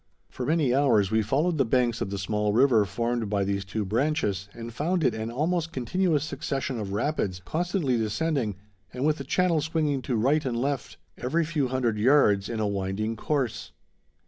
For many hours we followed the banks of the small river formed by these two branches, and found it an almost continuous succession of rapids, constantly descending, and with a channel swinging to right and left, every few hundred yards, in a winding course.